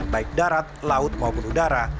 baik darat laut maupun udara